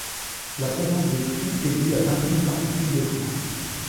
La présence des trous est due à d'infimes particules de foin.